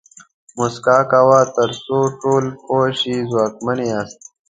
موسکا کوه تر څو ټول پوه شي ځواکمن یاست.